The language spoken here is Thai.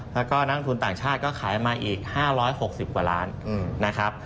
แล้วก็นักทุนต่างชาติก็ขายมาอีก๕๖๐กว่าล้านนะครับ